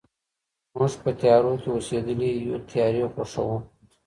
موږ په تيارو كي اوسېدلي يو تيارې خوښـوو